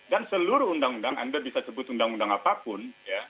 dan seluruh undang undang anda bisa sebut undang undang apapun